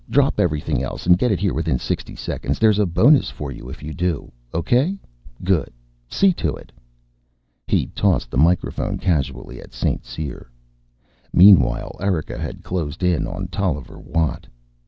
Drop everything else, and get it here within sixty seconds. There's a bonus for you if you do. Okay? Good. See to it." He tossed the microphone casually at St. Cyr. Meanwhile, Erika had closed in on Tolliver Watt.